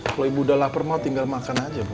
kalau ibu udah lapar mau tinggal makan aja bu